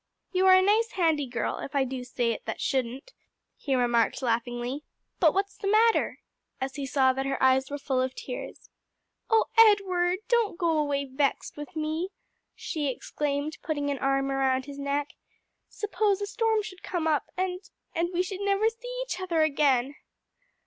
"You are a nice, handy girl, if I do say it that shouldn't," he remarked laughingly. "But what's the matter?" as he saw that her eyes were full of tears. "O Edward, don't go away vexed with me!" she exclaimed, putting an arm around his neck. "Suppose a storm should come up, and and we should never see each other again."